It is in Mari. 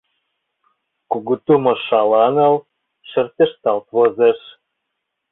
Кугу тумо шаланыл, шырпешталт возеш.